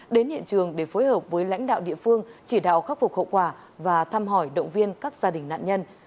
đến hiện trường để phối hợp với lãnh đạo địa phương chỉ đạo khắc phục hậu quả và thăm hỏi động viên các gia đình nạn nhân